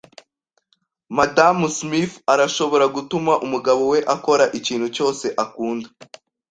Madamu Smith arashobora gutuma umugabo we akora ikintu cyose akunda.